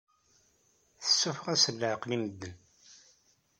Tessuffeɣ-asen leɛqel i medden.